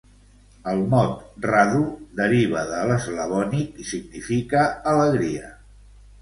El mot "Radu" deriva de l'eslavònic i significa "alegria".